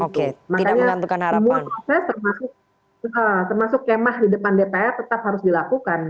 makanya semua proses termasuk kemah di depan dpr tetap harus dilakukan